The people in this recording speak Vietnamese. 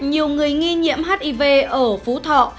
nhiều người nghi nhiễm hiv ở phú thọ